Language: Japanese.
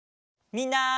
みんな。